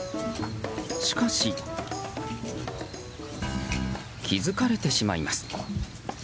しかし、気づかれてしまいます。